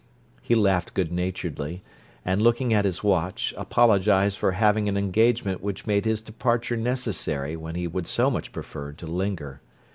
'" He laughed good naturedly, and looking at his watch, apologized for having an engagement which made his departure necessary when he would so much prefer to linger.